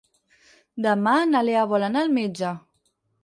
Demà na Lea vol anar al metge.